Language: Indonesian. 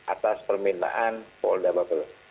atas permintaan polda bubble